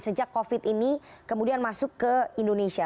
sejak covid ini kemudian masuk ke indonesia